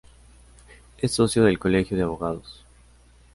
Es socio del Colegio de Abogados.